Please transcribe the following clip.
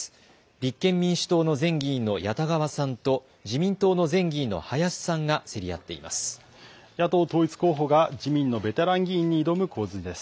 立憲民主党の前議員の谷田川さんと自民党の前議員の林さんが競り合っています。